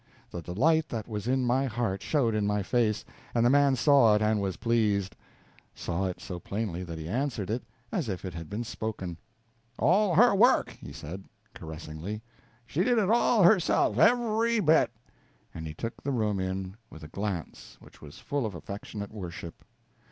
The delight that was in my heart showed in my face, and the man saw it and was pleased; saw it so plainly that he answered it as if it had been spoken. "All her work," he said, caressingly; "she did it all herself every bit," and he took the room in with a glance which was full of affectionate worship.